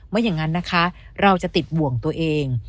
ไม่อย่างนั้นนะคะเราจะติดห่วงตัวเอง